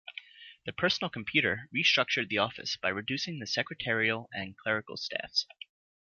The personal computer restructured the office by reducing the secretarial and clerical staffs.